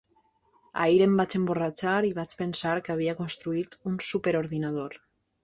Ahir em vaig emborratxar i vaig pensar que havia construït un superordinador.